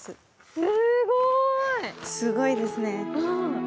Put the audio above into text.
すごいですね。